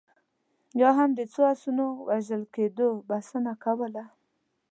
یا هم د څو اسونو وژل کېدو بسنه کوله.